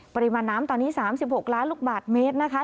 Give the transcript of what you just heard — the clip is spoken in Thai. ปริมาณน้ำตอนนี้๓๖ล้านลูกบาทเมตรนะคะ